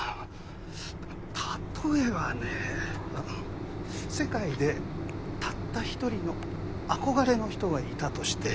例えばね世界でたった一人の憧れの人がいたとして。